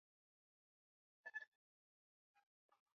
Kazi ni kitu azizi, wala vyenginevyo sivyo